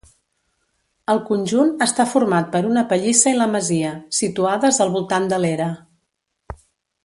El conjunt està format per una pallissa i la masia, situades al voltant de l'era.